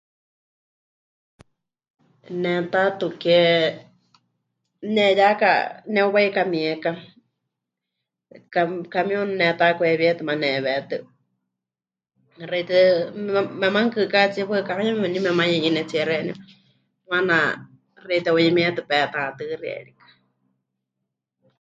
Ne taatu ke neheyaka, neuwaikamieka, ca... camión netakwewíetɨ, maana nehewetɨ, xewítɨ, mema... memanukɨkátsie waɨká yeme kwinie memanuyeyɨnetsie xeeníu, maana xewítɨ heuyemietɨ petatɨxie rikɨ.